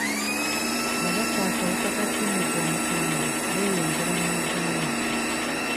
Abafa akawuka ka ssennyiga omukambwe beeyongera mu Uganda.